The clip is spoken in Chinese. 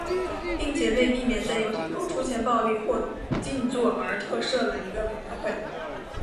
并且为避免在游行中出现暴力或静坐而特设了一个委员会。